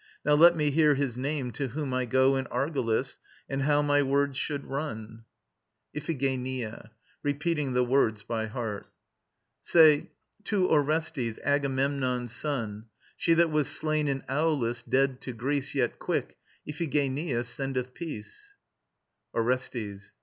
Now let me hear his name to whom I go In Argolis, and how my words should run. IPHIGENIA (REPEATING THE WORDS BY HEART). Say: "To Orestes, Agamemnon's son She that was slain in Aulis, dead to Greece Yet quick, Iphigenia sendeth peace:" ORESTES.